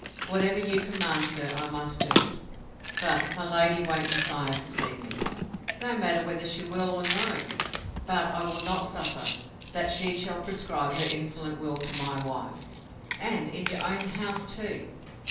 Whatever you command, sir, I must do. But my lady won't desire to see me. No matter whether she will or no. But I will not suffer, that she shall prescribe her insolent will to my wife, and in your own house too.